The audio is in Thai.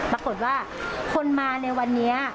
ปรากฏว่าคนมาในวันนี้